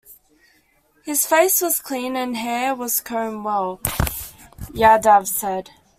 "His face was clean and hair was combed well," Yadav said.